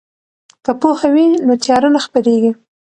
که پوهه وي نو تیاره نه خپریږي.